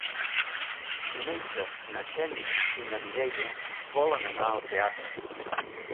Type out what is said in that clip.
Diumenge na Xènia i na Mireia volen anar al teatre.